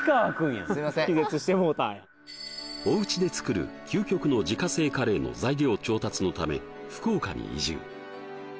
すいませんお家で作る究極の自家製カレーの材料調達のため福岡に移住